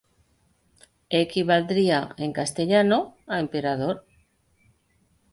Equivaldría en castellano a Emperador.